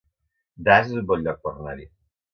Das es un bon lloc per anar-hi